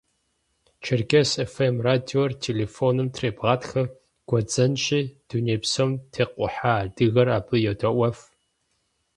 «Черкес ФМ» радиор телефоным требгъатхэ гуэдзэнщи, дуней псом текъухьа адыгэр абы йодэIуэф.